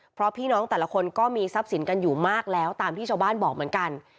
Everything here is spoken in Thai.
เพราะพี่น้องแต่ละคนก็มีทรัพย์สินกันอยู่มากแล้วตามที่ชาวบ้านบอกเหมือนกัน